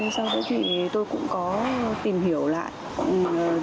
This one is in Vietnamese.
sau đó thì tôi cũng có tìm hiểu lại